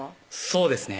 そうですね